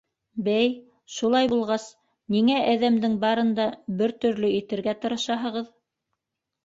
Бәй, шулай булғас, нигә әҙәмдең барын бер төрлө итергә тырышаһығыҙ?!